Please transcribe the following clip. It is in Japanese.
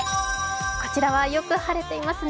こちらはよく晴れていますね。